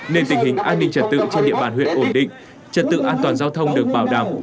nên tình hình an ninh trật tự trên địa bàn huyện ổn định trật tự an toàn giao thông được bảo đảm